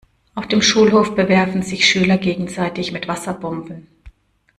Auf dem Schulhof bewerfen sich Schüler gegenseitig mit Wasserbomben.